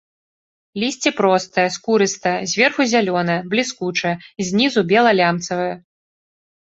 Лісце простае, скурыстае, зверху зялёнае, бліскучае, знізу бела-лямцавае.